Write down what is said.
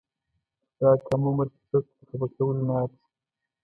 دا کم عمر کې څوک په خپه کولو نه ارزي.